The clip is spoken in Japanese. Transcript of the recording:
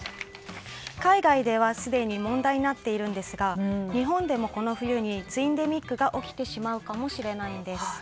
海外ではすでに問題になっているんですが日本でもこの冬にツインデミックが起きてしまうかもしれないんです。